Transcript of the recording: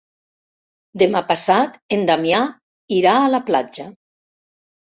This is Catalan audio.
Demà passat en Damià irà a la platja.